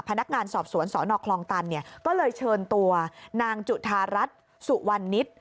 พนักงานสอบสวนสนคลองตันเนี่ยก็เลยเชิญตัวนางจุธารัฐสุวรรณนิต